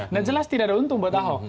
jelas tidak ada untung buat ahok